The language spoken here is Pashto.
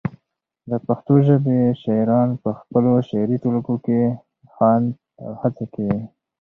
د پښتو ژبی شاعران پخپلو شعري ټولګو کي هاند او هڅه کوي